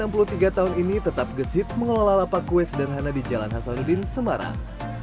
enam puluh tiga tahun ini tetap gesit mengelola lapak kue sederhana di jalan hasanuddin semarang